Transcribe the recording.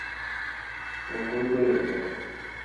وہ کوئی کوئی ہوتا ہے۔